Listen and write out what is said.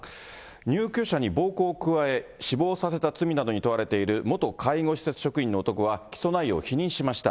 入居者に暴行を加え、死亡させた罪などに問われている元介護施設職員の男は起訴内容を否認しました。